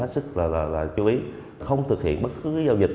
của các tổ chức khác